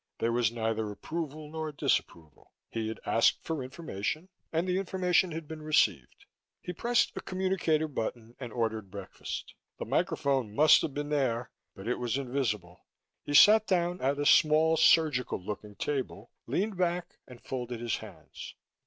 There was neither approval nor disapproval. He had asked for information and the information had been received. He pressed a communicator button and ordered breakfast. The microphone must have been there, but it was invisible. He sat down at a small, surgical looking table, leaned back and folded his hands.